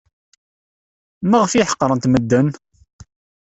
Maɣef ay ḥeqrent medden?